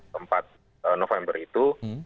tempat november itu